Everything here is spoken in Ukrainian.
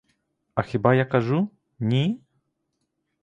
А хіба я кажу — ні?